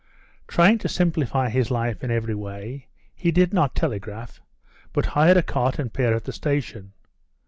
Trying to simplify his life in every way, he did not telegraph, but hired a cart and pair at the station.